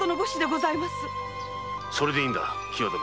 それでいいんだ喜和殿！